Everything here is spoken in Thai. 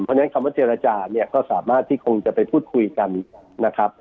เพราะฉะนั้นคำว่าเจรจาเนี่ยก็สามารถที่คงจะไปพูดคุยกันนะครับ